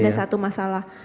pernah ada satu masalah